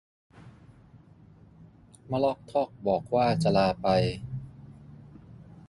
มะลอกทอกบอกว่าจะลาไป